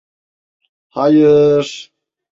Hayııır!